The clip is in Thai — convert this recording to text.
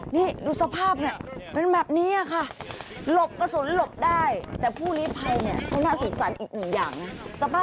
นี่ดูสภาพแบบบนรับเนี่ยค่ะ